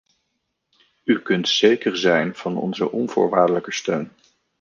U kunt zeker zijn van onze onvoorwaardelijke steun.